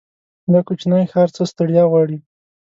دا کوچينی ښار څه ستړيا غواړي.